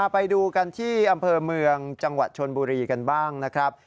ไปดูกันที่อำเภอเมืองจังหวัดชนบุรีกันบ้างนะครับ